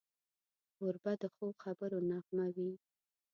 کوربه د ښو خبرو نغمه وي.